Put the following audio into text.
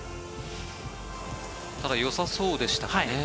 ただよさそうでしたかね。